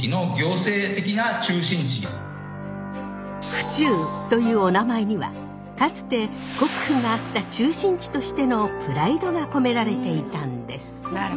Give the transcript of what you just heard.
府中というお名前にはかつて国府があった中心地としてのプライドが込められていたんです。